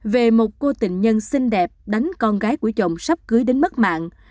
về một cô tình nhân xinh đẹp đánh con gái của chồng sắp cưới đến mất mạng